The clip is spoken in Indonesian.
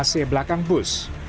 ac belakang bus